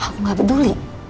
aku gak peduli